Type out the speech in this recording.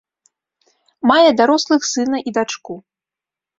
Мае дарослых сына і дачку.